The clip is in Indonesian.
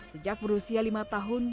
sejak berusia lima tahun